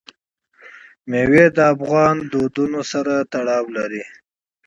مېوې د افغان کلتور سره تړاو لري.